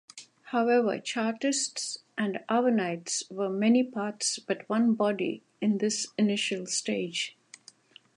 However, Chartists and Owenites were "many parts but one body" in this initial stage.